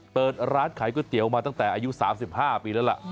เปิดร้านขายก๋วยเตี๋ยวมาตั้งแต่อายุ๓๕ปีแล้วล่ะ